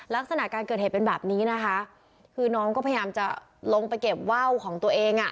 ลักษณะการเกิดเหตุเป็นแบบนี้นะคะคือน้องก็พยายามจะลงไปเก็บว่าวของตัวเองอ่ะ